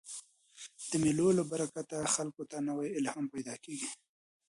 د مېلو له برکته خلکو ته نوی الهام پیدا کېږي.